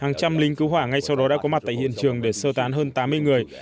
hàng trăm lính cứu hỏa ngay sau đó đã có mặt tại hiện trường để sơ tán hơn tám mươi người